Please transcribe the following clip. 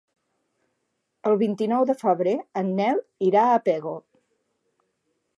El vint-i-nou de febrer en Nel irà a Pego.